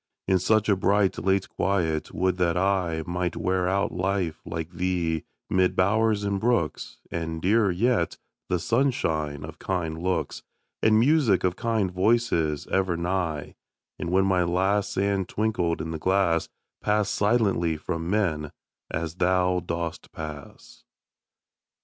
In such a bright, late quiet, would that I Might wear out life like thee, mid bowers and brooks, And, dearer yet, the sunshine of kind looks, And music of kind voices ever nigh; And when my last sand twinkled in the glass, Pass silently from men, as thou dost pass.